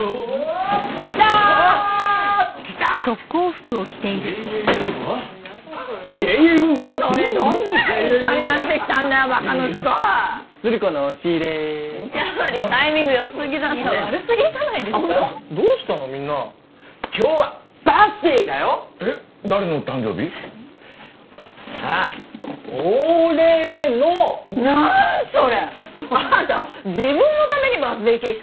あんた自分のためにバースデーケーキ買ってきたの？